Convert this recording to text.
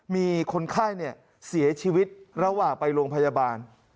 มีคนไข้เสียชีวิตระหว่างไปโรงพยาบาล